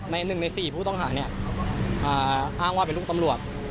ใน๑ใน๔ผู้ต้องหาอ้างว่าเป็นลูกตำรวจ